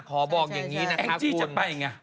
ขอบอกอย่างนี้นะคะคุณแองจิ๊นจะไปไง